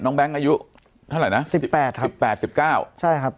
แก๊งอายุเท่าไหร่นะสิบแปดครับสิบแปดสิบเก้าใช่ครับ